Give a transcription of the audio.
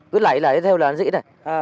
cứ lấy lấy theo là nó dễ này